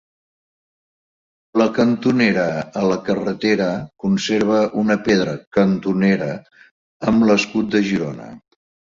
La cantonera a la carretera conserva una pedra cantonera amb l'escut de Girona.